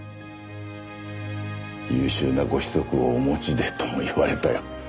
「優秀なご子息をお持ちで」とも言われたよ。